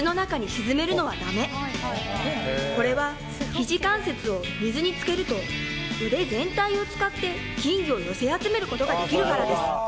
これはひじ関節を水につけると腕全体を使って金魚を寄せ集めることができるからです。